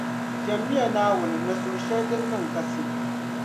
Jɛmmi ya Naawuni ni suhu shεli din niŋ kasi.